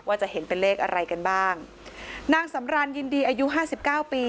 ว่าจะเห็นเป็นเลขอะไรกันบ้างนางสำรานยินดีอายุห้าสิบเก้าปี